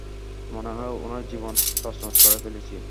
মনে হয় ওনার জীবন তছনছ করে ফেলেছি।